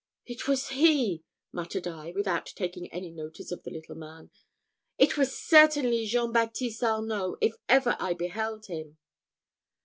"It was he!" muttered I, without taking any notice of the little man. "It was certainly Jean Baptiste Arnault, if ever I beheld him."